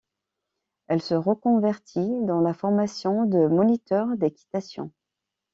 Elle se reconvertit dans la formation de moniteurs d'équitation.